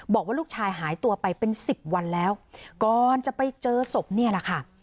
บอกว่าลูกชายหายตัวไปเป็นสิบวันแล้วก่อนจะไปเจอศพเนี่ยแหละค่ะ